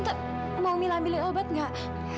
tante mau mila ambil obat gak